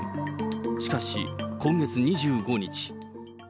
しかし、今月２５日。